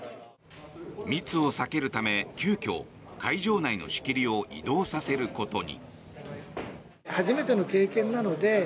密を避けるため急きょ、会場内の仕切りを移動させることに。